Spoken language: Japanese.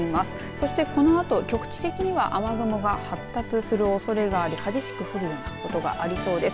そしてこのあと局地的に雨雲が発達するおそれがあり激しく降るようなところがありそうです。